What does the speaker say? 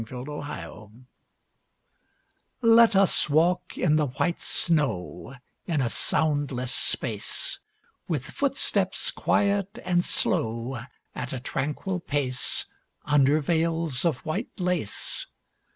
VELVET SHOES Let us walk in the white snow In a soundless space; With footsteps quiet and slow, At a tranquil pace, Under veils of white lace.